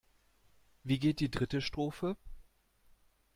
Wie geht die dritte Strophe?